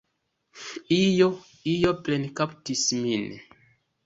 Io, io plenkaptis min.